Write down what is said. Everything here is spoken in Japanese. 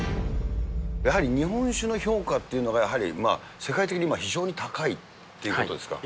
やはり日本酒の評価というのが、やはり世界的に今、非常に高いっていうことですか。